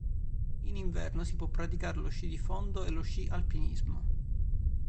In inverno si può praticare lo sci di fondo e lo sci alpinismo.